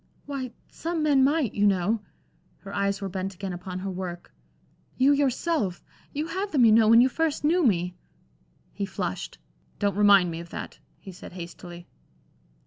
"Why, some men might, you know." Her eyes were bent again upon her work. "You yourself you had them, you know, when you first knew me." He flushed. "Don't remind me of that," he said, hastily.